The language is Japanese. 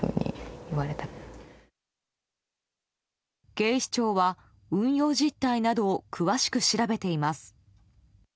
警視庁は運用実態などを詳しく調べています。